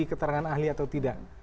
keterangan ahli atau tidak